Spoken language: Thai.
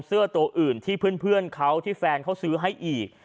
เสื้อตัวอื่นที่เพื่อนเขาที่แฟนเขาซื้อให้อีก